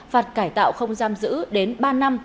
phạt cải tạo không giam giữ đến ba năm